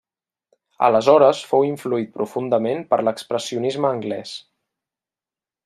Aleshores fou influït profundament per l'expressionisme anglès.